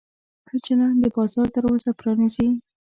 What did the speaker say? ښه چلند د بازار دروازه پرانیزي.